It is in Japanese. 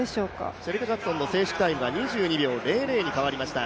シェリカ・ジャクソンの正式タイムは２２秒００に変わりました。